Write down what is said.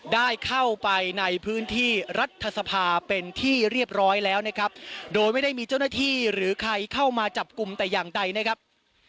ได้เข้าไปในพื้นที่รัฐสภาเป็นที่เรียบร้อยแล้วนะครับโดยไม่ได้มีเจ้าหน้าที่หรือใครเข้ามาจับกลุ่มแต่อย่างใดนะครับ